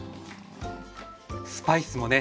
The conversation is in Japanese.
スパイスもね